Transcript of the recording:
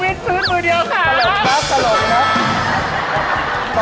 วิชพืชมือเดียวครับ